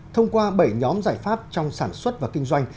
thông qua bảy nhóm giải pháp trong sản xuất và kinh doanh